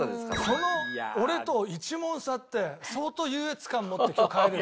その俺と１問差って相当優越感持って今日帰れるわ。